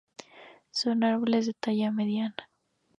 Son árboles de talla mediana.